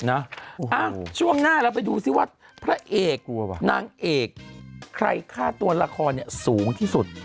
ช่วงหน้าเราไปดูซิว่าพระเอกนางเอกใครค่าตัวละครเนี่ยสูงที่สุด